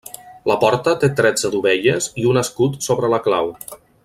La porta té tretze dovelles i un escut sobre la clau.